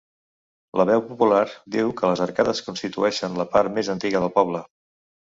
La veu popular diu que les arcades constitueixen la part més antiga del poble.